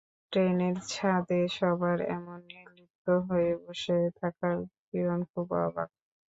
ট্রেনের ছাদে সবার এমন নির্লিপ্ত হয়ে বসে থাকায় কিরন খুব অবাক।